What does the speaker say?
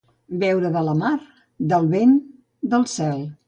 Beure de la mar, del vent, del cel.